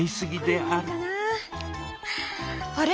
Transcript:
あれ？